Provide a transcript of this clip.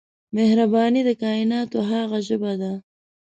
مهرباني د کایناتو هغه ژبه ده